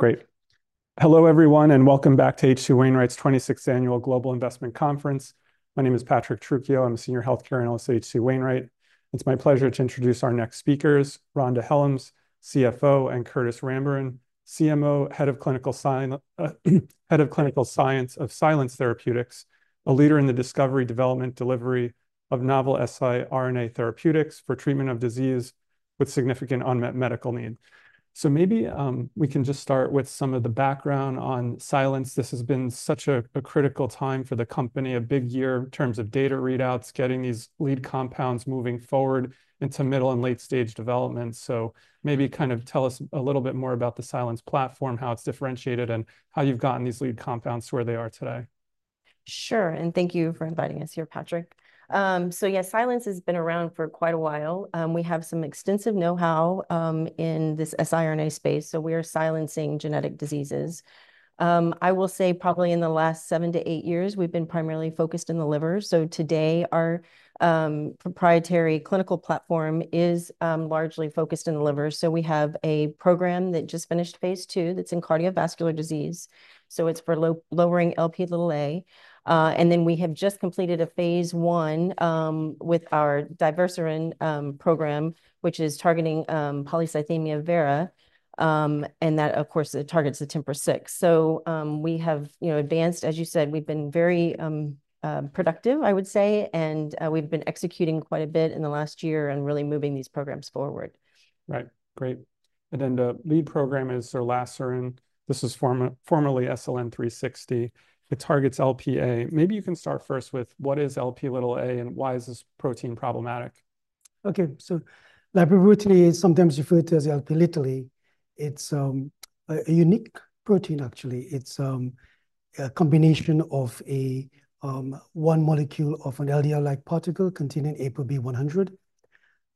Great. Hello, everyone, and welcome back to H.C. Wainwright's twenty-sixth Annual Global Investment Conference. My name is Patrick Trucchio. I'm a senior healthcare analyst at H.C. Wainwright. It's my pleasure to introduce our next speakers, Rhonda Hellams, CFO, and Curtis Rambaran, CMO, Head of Clinical Science of Silence Therapeutics, a leader in the discovery, development, delivery of novel siRNA therapeutics for treatment of disease with significant unmet medical need. So maybe we can just start with some of the background on Silence. This has been such a critical time for the company, a big year in terms of data readouts, getting these lead compounds moving forward into middle and late-stage development. So maybe kind of tell us a little bit more about the Silence platform, how it's differentiated, and how you've gotten these lead compounds to where they are today. Sure, and thank you for inviting us here, Patrick. So yeah, Silence has been around for quite a while. We have some extensive know-how in this siRNA space, so we are silencing genetic diseases. I will say probably in the last seven to eight years, we've been primarily focused in the liver. So today, our proprietary clinical platform is largely focused in the liver. So we have a program that just finished phase two, that's in cardiovascular disease, so it's for lowering Lp(a). And then we have just completed a phase one with our divesiran program, which is targeting polycythemia vera, and that, of course, it targets the TMPRSS6. So, we have, you know, advanced, as you said. We've been very productive, I would say, and we've been executing quite a bit in the last year and really moving these programs forward. Right. Great. And then the lead program is zerlasiran. This was formerly SLN-360. It targets Lp(a). Maybe you can start first with what is Lp(a), and why is this protein problematic? Okay, so lipoprotein(a), sometimes referred to as Lp(a), it's a unique protein, actually. It's a combination of one molecule of an LDL-like particle containing ApoB-100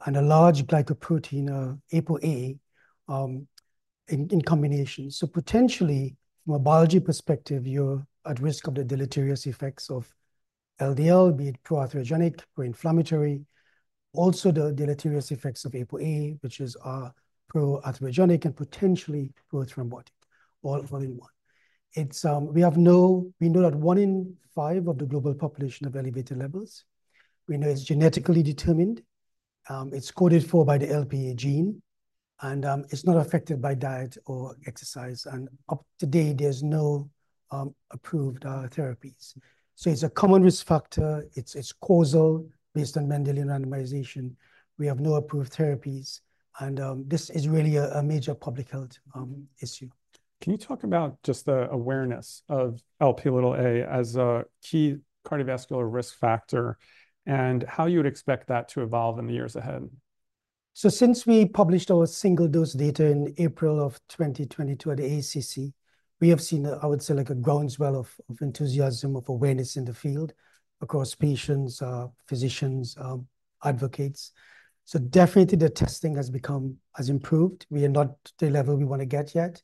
and a large glycoprotein, ApoA, in combination. So potentially, from a biology perspective, you're at risk of the deleterious effects of LDL, be it proatherogenic, pro-inflammatory, also the deleterious effects of ApoA, which is proatherogenic and potentially prothrombotic, all-in-one. It's... we know that one in five of the global population have elevated levels. We know it's genetically determined. It's coded for by the LPA gene, and it's not affected by diet or exercise, and to date, there's no approved therapies. So it's a common risk factor, it's causal, based on Mendelian randomization, we have no approved therapies, and this is really a major public health issue. Can you talk about just the awareness of Lp as a key cardiovascular risk factor and how you would expect that to evolve in the years ahead? Since we published our single-dose data in April of 2022 at ACC, we have seen, I would say, like a groundswell of enthusiasm, of awareness in the field across patients, physicians, advocates. Definitely the testing has improved. We are not at the level we want to get yet,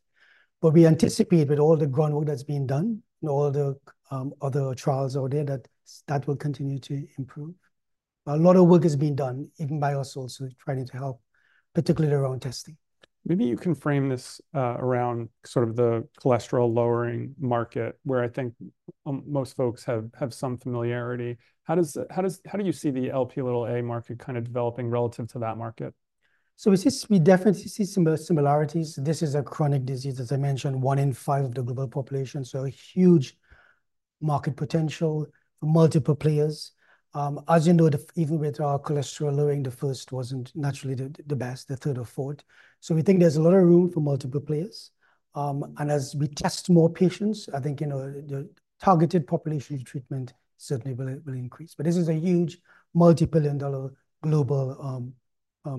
but we anticipate with all the groundwork that's being done and all the other trials out there, that it will continue to improve. A lot of work is being done, even by us also, trying to help, particularly around testing. Maybe you can frame this around sort of the cholesterol-lowering market, where I think most folks have some familiarity. How do you see the Lp market kind of developing relative to that market? So we see, we definitely see similar similarities. This is a chronic disease, as I mentioned, one in five of the global population, so a huge market potential, multiple players. As you know, even with our cholesterol-lowering, the first wasn't naturally the best, the third or fourth. So we think there's a lot of room for multiple players. And as we test more patients, I think, you know, the targeted population treatment certainly will increase. But this is a huge, multi-billion-dollar global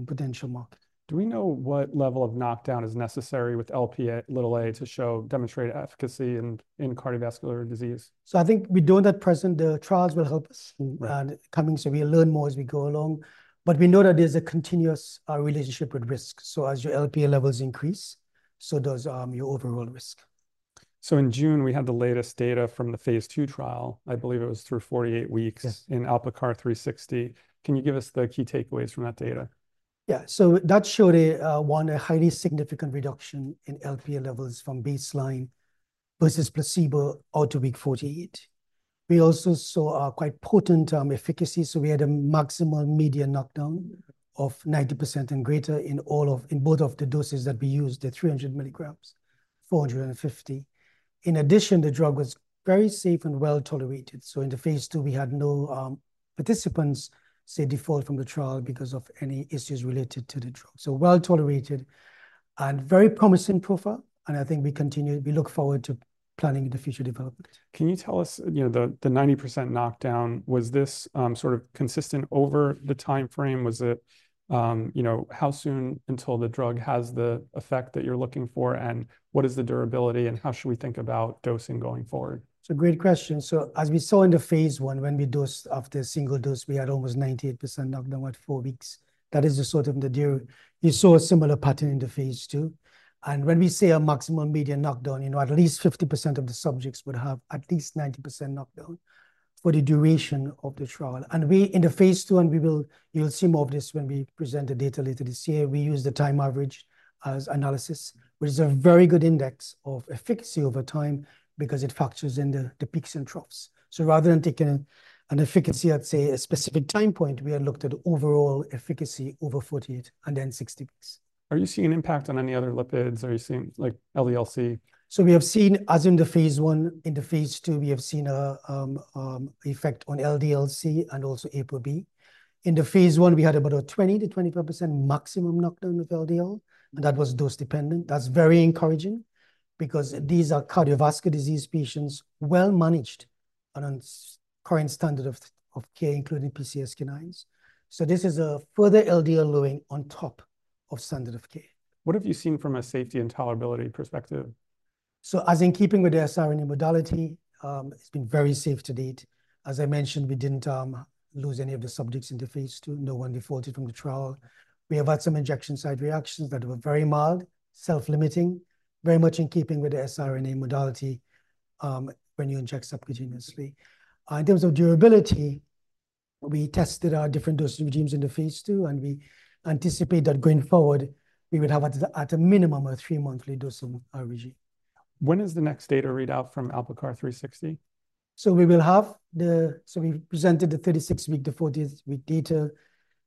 potential market. Do we know what level of knockdown is necessary with Lp to show... demonstrate efficacy in cardiovascular disease? So I think we don't at present. The trials will help us- Right. coming, so we'll learn more as we go along. But we know that there's a continuous relationship with risk. So as your Lp levels increase, so does your overall risk. In June, we had the latest data from the phase 2 trial. I believe it was through 48 weeks. Yeah. In ALPACAR-360. Can you give us the key takeaways from that data? Yeah, so that showed one, a highly significant reduction in Lp levels from baseline versus placebo out to week 48. We also saw a quite potent efficacy, so we had a maximal median knockdown of 90% and greater in both of the doses that we used, the 300 milligrams, 450. In addition, the drug was very safe and well-tolerated, so in the phase 2, we had no participants, say, default from the trial because of any issues related to the drug. So well-tolerated and very promising profile, and I think we look forward to planning the future development. Can you tell us, you know, the 90% knockdown, was this sort of consistent over the time frame? Was it, you know, how soon until the drug has the effect that you're looking for, and what is the durability, and how should we think about dosing going forward? It's a great question, so as we saw in the phase 1, when we dosed after a single dose, we had almost 98% knockdown at four weeks. That is the sort of the deal. You saw a similar pattern in the phase 2, and when we say a maximum median knockdown, you know, at least 50% of the subjects would have at least 90% knockdown for the duration of the trial, and we in the phase 2 will, you'll see more of this when we present the data later this year. We use the time average as analysis, which is a very good index of efficacy over time because it factors in the, the peaks and troughs, so rather than taking an efficacy at, say, a specific time point, we have looked at overall efficacy over 48 and then 60 weeks. Are you seeing an impact on any other lipids? Are you seeing, like, LDL-C? So we have seen, as in the phase 1, in the phase 2, we have seen an effect on LDL-C and also ApoB. In the phase 1, we had about a 20-25% maximum knockdown of LDL, and that was dose-dependent. That's very encouraging because these are cardiovascular disease patients, well-managed on current standard of care, including PCSK9s. So this is a further LDL lowering on top of standard of care. What have you seen from a safety and tolerability perspective? As in keeping with the siRNA modality, it's been very safe to date. As I mentioned, we didn't lose any of the subjects in the phase 2. No one defaulted from the trial. We have had some injection site reactions that were very mild, self-limiting, very much in keeping with the siRNA modality when you inject subcutaneously. In terms of durability, we tested our different dosing regimens in the phase 2, and we anticipate that going forward, we will have at a minimum a three-monthly dosing regimen. When is the next data readout from ALPACAR-360? We presented the 36-week to 40th-week data.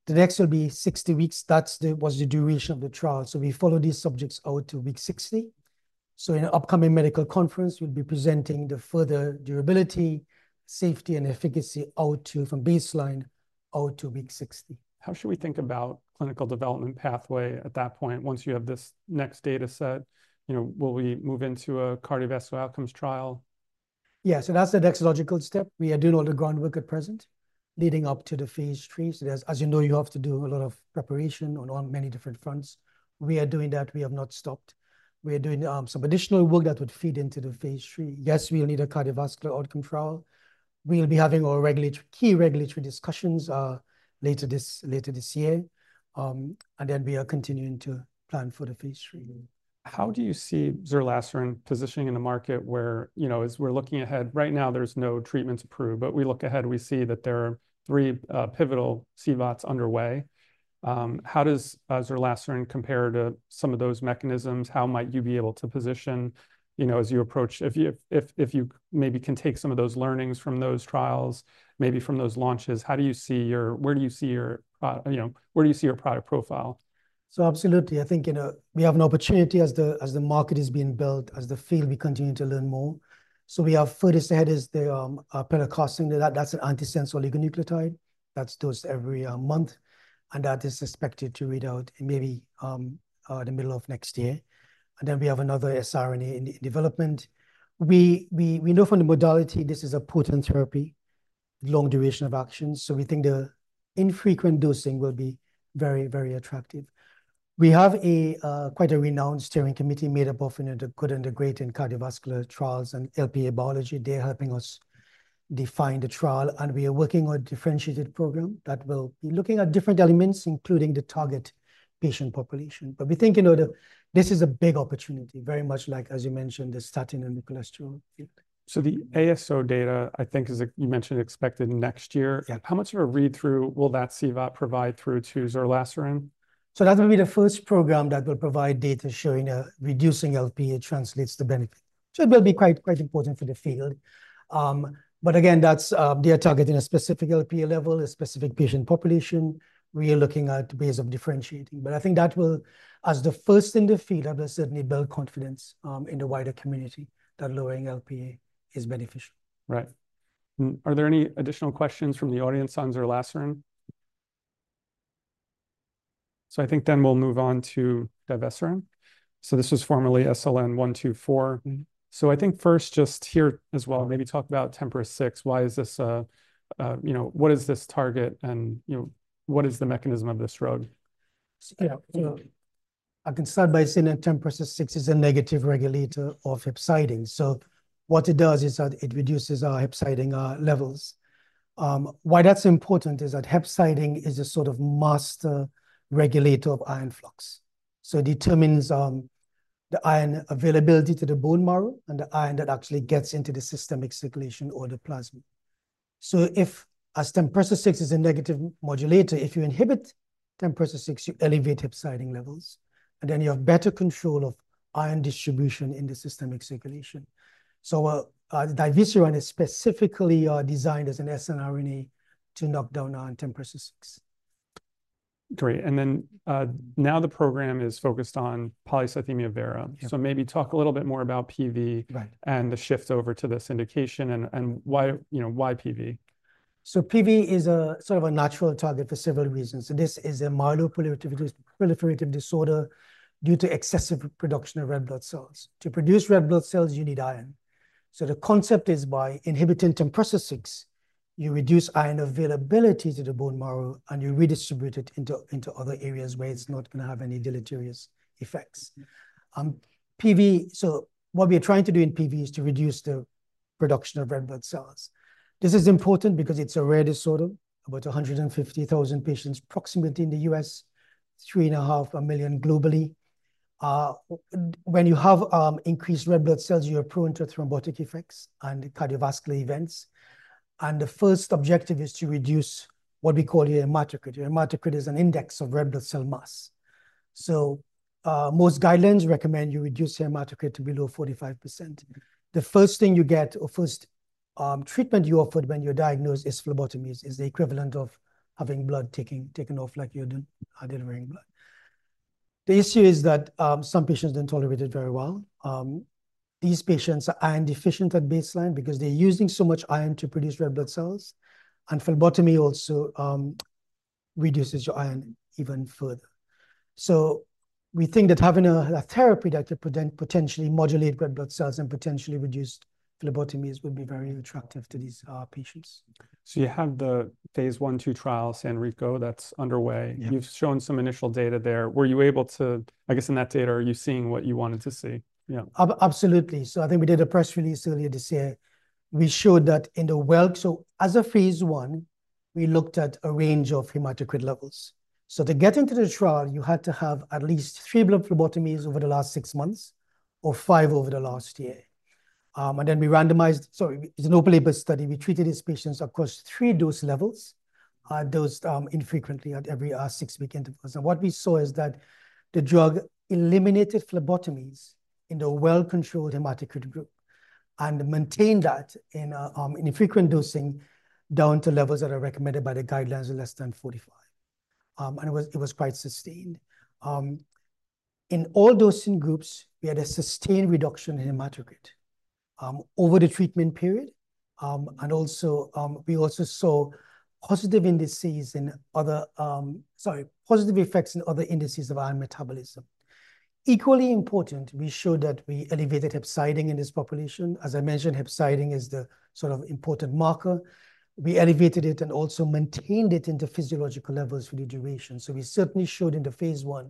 The next will be 60 weeks. That was the duration of the trial, so we follow these subjects out to week 60. In an upcoming medical conference, we'll be presenting the further durability, safety, and efficacy out to, from baseline out to week 60. How should we think about clinical development pathway at that point, once you have this next data set? You know, will we move into a cardiovascular outcomes trial? Yeah, so that's the next logical step. We are doing all the groundwork at present, leading up to the phase III. So there's, as you know, you have to do a lot of preparation on many different fronts. We are doing that. We have not stopped. We are doing some additional work that would feed into the phase III. Yes, we'll need a cardiovascular outcome trial. We'll be having our key regulatory discussions later this year, and then we are continuing to plan for the phase III. How do you see zerlasiran positioning in the market where, you know, as we're looking ahead, right now there's no treatments approved, but we look ahead, we see that there are three pivotal CVOTs underway. How does zerlasiran compare to some of those mechanisms? How might you be able to position, you know, as you approach. If you maybe can take some of those learnings from those trials, maybe from those launches, how do you see your, you know, where do you see your product profile? So absolutely, I think, you know, we have an opportunity as the, as the market is being built, as the field, we continue to learn more. So we are furthest ahead is the pelacarsen. That's an antisense oligonucleotide that's dosed every month, and that is expected to read out in maybe the middle of next year. And then we have another siRNA in development. We know from the modality this is a potent therapy, long duration of action, so we think the infrequent dosing will be very, very attractive. We have a quite a renowned steering committee made up of, you know, the good and the great in cardiovascular trials and LPA biology. They're helping us define the trial, and we are working on a differentiated program that will be looking at different elements, including the target patient population. But we think, you know, this is a big opportunity, very much like, as you mentioned, the statin and the cholesterol field. So the ASO data, I think, is you mentioned expected next year. Yeah. How much of a read-through will that CVOT provide through to zerlasiran? So that will be the first program that will provide data showing reducing LPA translates to benefit. So it will be quite, quite important for the field. But again, that's, they are targeting a specific LPA level, a specific patient population. We are looking at ways of differentiating, but I think that will, as the first in the field, that will certainly build confidence, in the wider community, that lowering LPA is beneficial. Right. Are there any additional questions from the audience on zerlasiran? So I think then we'll move on to divasiran. So this was formerly SLN-124. So I think first, just here as well, maybe talk about TMPRSS6. Why is this, you know, what is this target, and, you know, what is the mechanism of this drug? Yeah. You know, I can start by saying that TMPRSS6 is a negative regulator of hepcidin, so what it does is that it reduces our hepcidin levels. Why that's important is that hepcidin is a sort of master regulator of iron flux, so it determines the iron availability to the bone marrow and the iron that actually gets into the systemic circulation or the plasma. So if, as TMPRSS6 is a negative modulator, if you inhibit TMPRSS6, you elevate hepcidin levels, and then you have better control of iron distribution in the systemic circulation, so divasiran is specifically designed as an siRNA to knock down on TMPRSS6. Great, and then, now the program is focused on polycythemia vera. Yeah. So, maybe talk a little bit more about PV. Right And the shift over to this indication, and why, you know, why PV? So PV is a sort of a natural target for several reasons. So this is a mild proliferative disorder due to excessive production of red blood cells. To produce red blood cells, you need iron. So the concept is by inhibiting TMPRSS6, you reduce iron availability to the bone marrow, and you redistribute it into other areas where it's not gonna have any deleterious effects. PV. So what we are trying to do in PV is to reduce the production of red blood cells. This is important because it's a rare disorder, about one hundred and fifty thousand patients approximately in the U.S., three and a half million globally, when you have increased red blood cells, you're prone to thrombotic effects and cardiovascular events, and the first objective is to reduce what we call your hematocrit. Your hematocrit is an index of red blood cell mass. So, most guidelines recommend you reduce your hematocrit to below 45%. The first thing you get, or first treatment you're offered when you're diagnosed is phlebotomies, is the equivalent of having blood taken off like you're delivering blood. The issue is that, some patients don't tolerate it very well. These patients are iron deficient at baseline because they're using so much iron to produce red blood cells, and phlebotomy also, reduces your iron even further. So we think that having a therapy that could potentially modulate red blood cells and potentially reduce phlebotomies would be very attractive to these patients. So you have the phase I, II trial, SANRECO, that's underway. Yeah. You've shown some initial data there. Were you able to-- I guess, in that data, are you seeing what you wanted to see? Yeah. Absolutely. So I think we did a press release earlier this year. We showed that in the world. So as a phase I, we looked at a range of hematocrit levels. So to get into the trial, you had to have at least three blood phlebotomies over the last six months, or five over the last year. Sorry, it's an open-label study. We treated these patients across three dose levels, dosed infrequently at every six-week intervals, and what we saw is that the drug eliminated phlebotomies in the well-controlled hematocrit group and maintained that in a infrequent dosing down to levels that are recommended by the guidelines of less than forty-five. And it was quite sustained. In all dosing groups, we had a sustained reduction in hematocrit over the treatment period, and also, we also saw positive effects in other indices of iron metabolism. Equally important, we showed that we elevated hepcidin in this population. As I mentioned, hepcidin is the sort of important marker. We elevated it and also maintained it in the physiological levels for the duration. We certainly showed in the phase I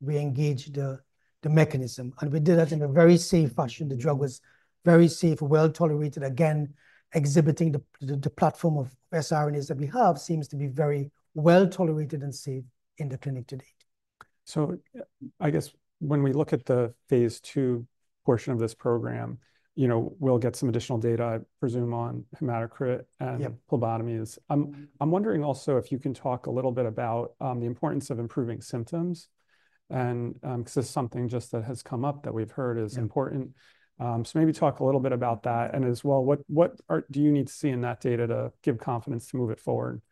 we engaged the mechanism, and we did that in a very safe fashion. The drug was very safe, well-tolerated, again, exhibiting the platform of siRNAs that we have seems to be very well-tolerated and safe in the clinic to date. So I guess when we look at the phase II portion of this program, you know, we'll get some additional data, I presume, on hematocrit- Yeah And phlebotomies. I'm wondering also if you can talk a little bit about the importance of improving symptoms and 'cause it's something just that has come up that we've heard. Yeah Is important. So maybe talk a little bit about that, and as well, what do you need to see in that data to give confidence to move it forward?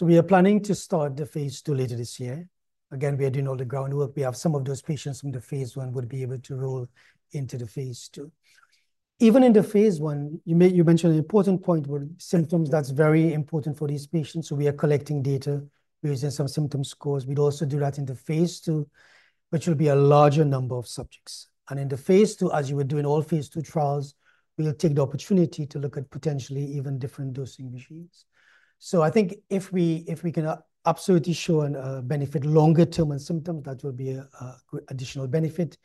We are planning to start the phase II later this year. Again, we are doing all the groundwork. We have some of those patients from the phase I would be able to roll into the phase II. Even in the phase I, you mentioned an important point with symptoms. That's very important for these patients, so we are collecting data. We're using some symptom scores. We'd also do that in the phase II, which will be a larger number of subjects. In the phase II, as you would do in all phase II trials, we'll take the opportunity to look at potentially even different dosing regimes. So I think if we can absolutely show a benefit longer term on symptoms, that will be a good additional benefit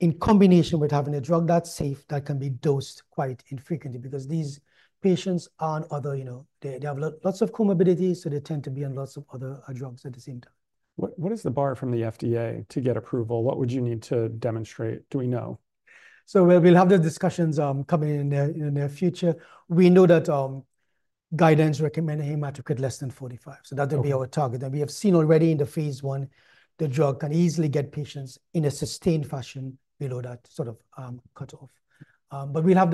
in combination with having a drug that's safe, that can be dosed quite infrequently, because these patients are on other, you know. They have lots of comorbidities, so they tend to be on lots of other drugs at the same time. What, what is the bar from the FDA to get approval? What would you need to demonstrate? Do we know? So we'll have the discussions coming in the near future. We know that guidance recommend a hematocrit less than 45, so that- Okay Will be our target, and we have seen already in the phase I, the drug can easily get patients, in a sustained fashion, below that sort of, cutoff. But we'll have the.